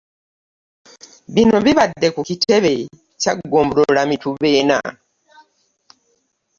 Bino bibadde ku kitebe ky'eggombolooa Mituba ena.